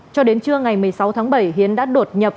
cho đến trưa ngày một mươi sáu tháng bảy hiến đã đột nhập